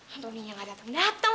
antoninya gak dateng dateng